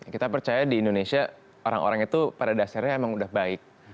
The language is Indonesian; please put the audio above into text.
kita percaya di indonesia orang orang itu pada dasarnya emang udah baik